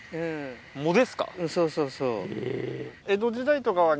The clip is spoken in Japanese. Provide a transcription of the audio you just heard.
そうそうそう。